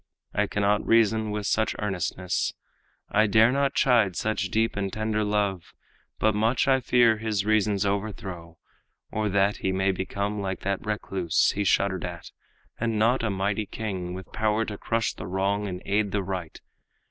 I cannot reason with such earnestness I dare not chide such deep and tender love, But much I fear his reason's overthrow Or that he may become like that recluse He shuddered at, and not a mighty king With power to crush the wrong and aid the right.